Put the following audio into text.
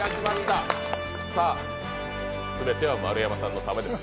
全ては丸山さんのためです。